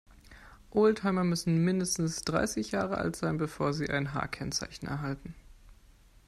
Oldtimer müssen mindestens dreißig Jahre alt sein, bevor sie ein H-Kennzeichen erhalten.